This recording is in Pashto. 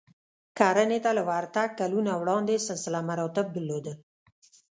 کرنې ته له ورتګ کلونه وړاندې سلسله مراتب درلودل